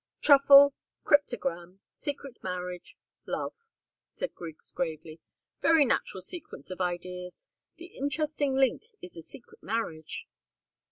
"Truffle cryptogam secret marriage love," said Griggs, gravely. "Very natural sequence of ideas. The interesting link is the secret marriage."